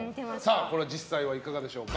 これは実際はいかがでしょうか。